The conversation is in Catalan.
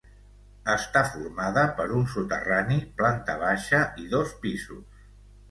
Està formada per un soterrani, planta baixa i dos pisos.